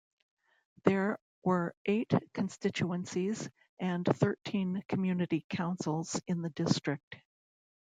There were eight constituencies and thirteen community councils in the district.